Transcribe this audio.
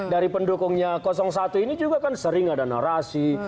dari pendukungnya satu ini juga kan sering ada narasi